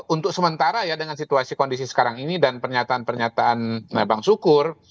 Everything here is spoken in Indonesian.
untuk sementara ya dengan situasi kondisi sekarang ini dan pernyataan pernyataan bang sukur